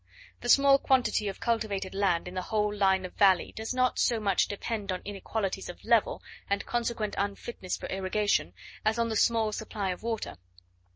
The small quantity of cultivated land in the whole line of valley, does not so much depend on inequalities of level, and consequent unfitness for irrigation, as on the small supply of water.